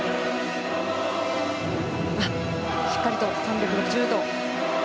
しっかりと３６０度。